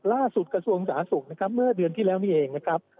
กระทรวงสาธารณสุขนะครับเมื่อเดือนที่แล้วนี่เองนะครับ